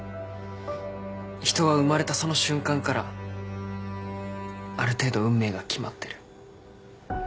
人は生まれたその瞬間からある程度運命が決まってる。